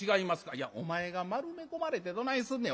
「いやお前が丸め込まれてどないすんねん。